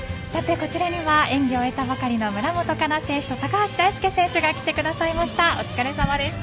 こちらには演技を終えたばかりの村元哉中選手と高橋大輔選手が来てくれました。